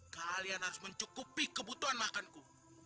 kalian harus mencukupi kebutuhan makanku